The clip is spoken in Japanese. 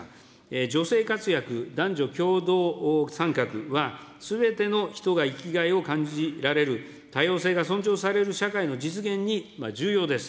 女性活躍、男女共同参画は、すべての人が生きがいを感じられる多様性が尊重される社会の実現に重要です。